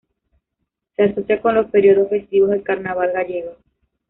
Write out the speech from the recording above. Se asocia con los periodos festivos del carnaval gallego.